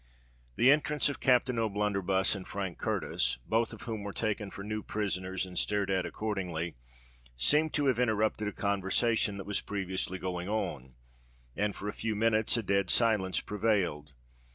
The entrance of Captain O'Blunderbuss and Frank Curtis, both of whom were taken for new prisoners and stared at accordingly, seemed to have interrupted a conversation that was previously going on;—and for a few minutes a dead silence prevailed.